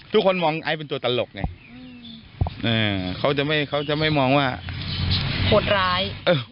ทุกคนมองไอซ์เป็นตัวตลกไงเขาจะไม่เขาจะไม่มองว่าโหดร้าย